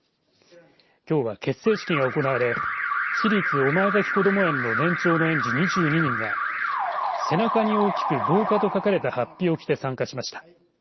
きょうは結成式が行われ市立御前崎こども園の年長の園児２２人が背中に大きく防火と書かれたはっぴを着て参加しました。